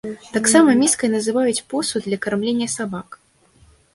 Таксама міскай называюць посуд для кармлення сабак.